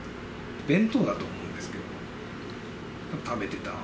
弁当だと思うんですけど、食べてた。